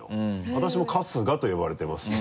私も「春日」と呼ばれてますし。